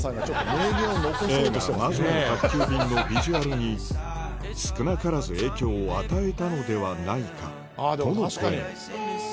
映画『魔女の宅急便』のビジュアルに少なからず影響を与えたのではないかとの声もあぁでも確かに！